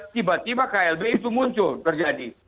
tiba tiba klb itu muncul terjadi